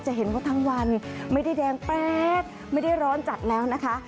จะเห็นว่าทั้งวันไม่ได้แดงแป๊ดไม่ได้ร้อนจัดแล้วนะคะ